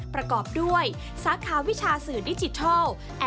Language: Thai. ประกอบด้วยสาขาวิชาสื่อดิจิทัล